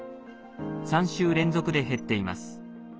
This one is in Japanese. ３週連続で減っています。